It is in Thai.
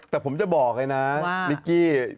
แต่ผมจะบอกเลยนะนิกกี้